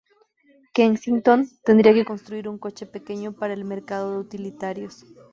Kensington tendría que construir un coche pequeño para el mercado de utilitarios.